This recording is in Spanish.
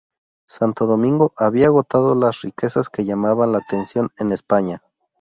Santo Domingo había agotado las riquezas que llamaban la atención en España.